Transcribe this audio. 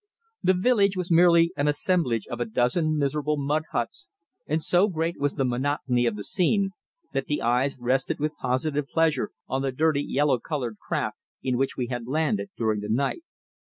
The village was merely an assemblage of a dozen miserable mud huts, and so great was the monotony of the scene, that the eye rested with positive pleasure on the dirty, yellow coloured craft in which we had landed during the night.